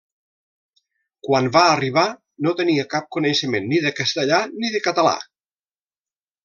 Quan va arribar no tenia cap coneixement ni de castellà ni de català.